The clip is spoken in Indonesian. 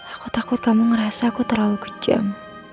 aku takut kamu ngerasa aku terlalu kejam